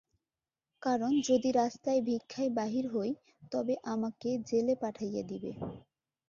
কারণ যদি রাস্তায় ভিক্ষায় বাহির হই, তবে আমাকে জেলে পাঠাইয়া দিবে।